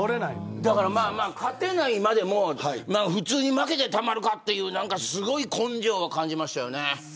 勝てないまでも普通に負けてたまるかって言うすごい根性を感じましたよね。